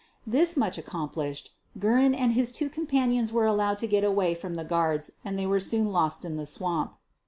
This much accomplished, Guerin and his two com panions were allowed to get away from the guards and they were soon lost in the swamp.